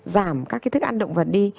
giảm các cái thức ăn động vật đi